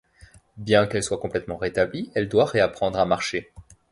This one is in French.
Bien qu'elle soit complètement rétablie, elle doit réapprendre à marcher.